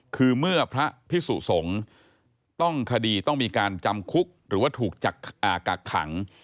คือเมื่อพระภิกษุสงศ์ต้องมีการจำคุกหรือว่าถูกจากกักขัง